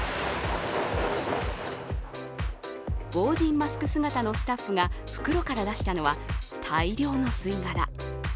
防じんマスク姿のスタッフが袋から出したのは大量の吸い殻。